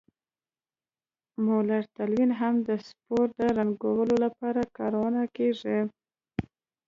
مولر تلوین هم د سپور د رنګولو لپاره کارول کیږي.